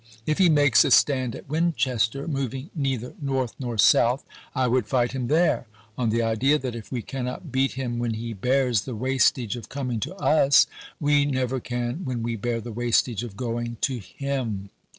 If he makes a stand at Winchester, moving neither north nor south, I would fight him there, on the idea that if we cannot beat him when he bears the wastage of coming to us, we never can when we bear the wastage of going to him.